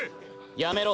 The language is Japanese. やめろ。